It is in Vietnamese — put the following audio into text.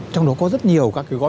trong đó có rất nhiều các cái gói